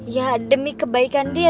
ya demi kebaikan dia